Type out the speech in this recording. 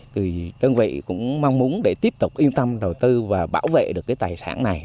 thì đơn vị cũng mong muốn để tiếp tục yên tâm đầu tư và bảo vệ được cái tài sản này